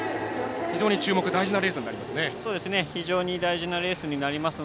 非常に注目大事なレースになりますね。